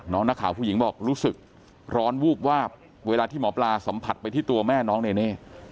นักข่าวผู้หญิงบอกรู้สึกร้อนวูบวาบเวลาที่หมอปลาสัมผัสไปที่ตัวแม่น้องเนเน่